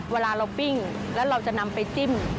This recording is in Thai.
เวลาเราปิ้งแล้วเราจะนำไปจิ้ม